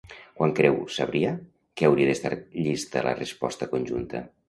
Quan creu Sabrià que hauria d'estar llista la resposta conjunta?